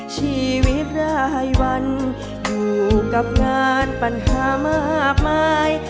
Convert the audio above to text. ชีวิตรายวันอยู่กับงานปัญหามากมาย